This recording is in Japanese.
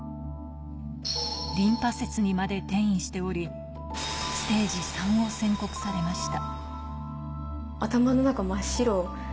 リンパ節にまで転移しており、ステージ３を宣告されました。